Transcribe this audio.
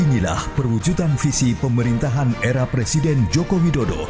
inilah perwujudan visi pemerintahan era presiden joko widodo